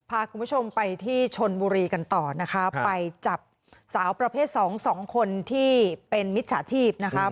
พาคุณผู้ชมไปที่ชนบุรีกันต่อนะคะไปจับสาวประเภทสองสองคนที่เป็นมิจฉาชีพนะคะ